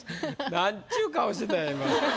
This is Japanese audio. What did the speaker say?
なんちゅう顔してたんや今。